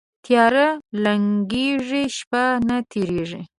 تیارې لنګیږي، شپه نه تیریږي